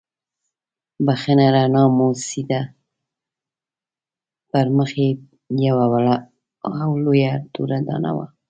بښنه رڼا وموسېده، پر مخ یې یوه وړه او لویه توره دانه وه.